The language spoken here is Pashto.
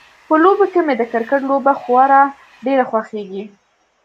په لوبو کې مې د کرکټ لوبه خورا ډیره خوښیږي